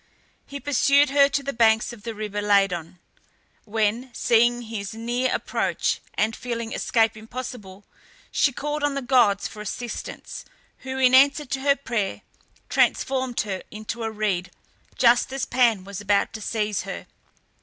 He pursued her to the banks of the river Ladon, when, seeing his near approach, and feeling escape impossible, she called on the gods for assistance, who, in answer to her prayer, transformed her into a reed, just as Pan was about to seize her.